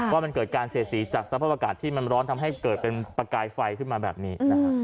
ว่ามันเกิดการเสียสีจากสภาพอากาศที่มันร้อนทำให้เกิดเป็นประกายไฟขึ้นมาแบบนี้นะฮะ